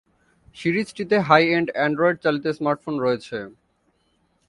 সিরিজটিতে high-end অ্যান্ড্রয়েড-চালিত smartphone রয়েছে।